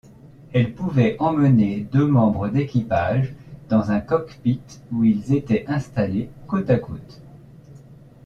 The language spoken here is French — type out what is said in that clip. Elle pouvait emmener deux membres d'équipage dans un cockpit où ils étaient installés côte-à-côte.